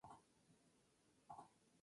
El indio Viswanathan Anand ganó el match.